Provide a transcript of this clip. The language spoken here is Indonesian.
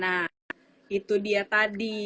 nah itu dia tadi